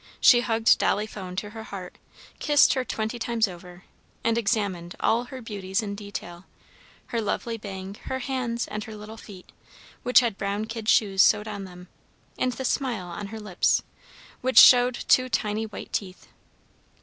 She hugged Dolly Phone to her heart, kissed her twenty times over, and examined all her beauties in detail, her lovely bang, her hands, and her little feet, which had brown kid shoes sewed on them, and the smile on her lips, which showed two tiny white teeth.